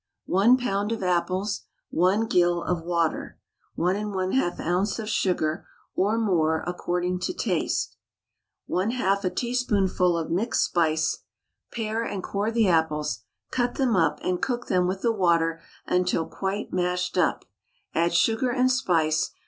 1 lb. of apples, 1 gill of water, 1 1/2 oz. of sugar (or more, according to taste), 1/2 a teaspoonful of mixed spice. Pare and core the apples, cut them up, and cook them with the water until quite mashed up, add sugar and spice.